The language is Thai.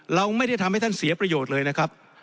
เราไม่ได้ทำให้ท่านเสียประโยชน์เลยนะครับ